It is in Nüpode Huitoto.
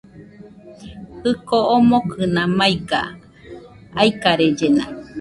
Jɨko omokɨna maiga, aikarellena